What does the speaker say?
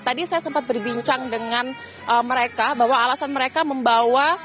tadi saya sempat berbincang dengan mereka bahwa alasan mereka membawa